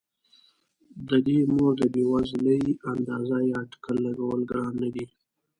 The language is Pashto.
د دې مور د بې وزلۍ اندازه یا اټکل لګول ګران نه دي.